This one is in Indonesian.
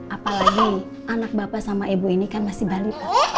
apalagi anak bapak sama ibu ini kan masih balita